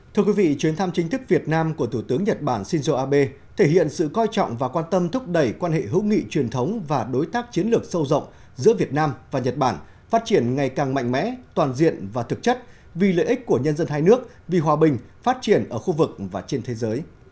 thưa quý vị chuyến thăm chính thức việt nam của thủ tướng nhật bản shinzo abe thể hiện sự coi trọng và quan tâm thúc đẩy quan hệ hữu nghị truyền thống và đối tác chiến lược sâu rộng giữa việt nam và nhật bản phát triển ngày càng mạnh mẽ toàn diện và thực chất vì lợi ích của nhân dân hai nước vì hòa bình phát triển ở khu vực và trên thế giới